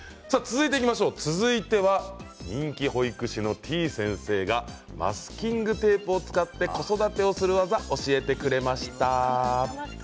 続いては人気保育士のてぃ先生がマスキングテープを使って子育てをする技教えてくれました。